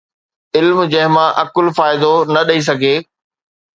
علم جنهن مان عقل فائدو نه ڏئي سگهي